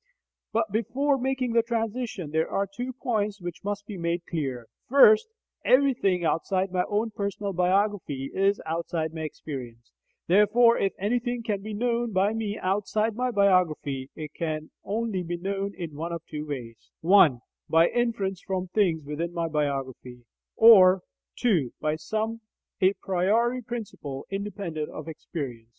But before making the transition, there are two points which must be made clear. First: Everything outside my own personal biography is outside my experience; therefore if anything can be known by me outside my biography, it can only be known in one of two ways: (1) By inference from things within my biography, or (2) By some a priori principle independent of experience.